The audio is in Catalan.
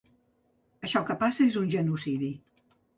Això que passa és un genocidi.